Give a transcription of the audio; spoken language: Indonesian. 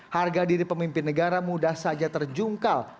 harga diri pemimpin negara mudah saja terjungkal